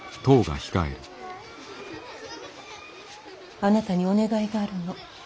あなたにお願いがあるの。